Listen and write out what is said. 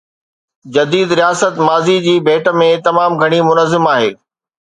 جديد رياست ماضي جي ڀيٽ ۾ تمام گهڻي منظم آهي.